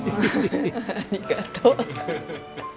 ありがとう。